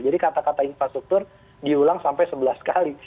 jadi kata kata infrastruktur diulang sampai sebelas kali